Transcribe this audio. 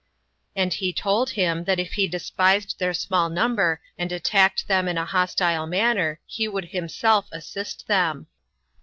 And he told him, that if he despised their small number, attacked them in a hostile manner, he would assist them.